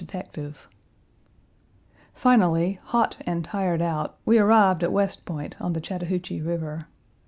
Page 220 Finally, hot and tired out, we arrived at West Point, on the Chattahoochee River.